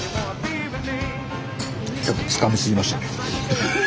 やっぱつかみすぎましたね。